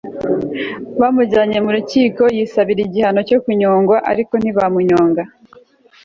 bamujyanye mu rukiko yisabira igihano cyo kunyongwa ariko ntibamunyonga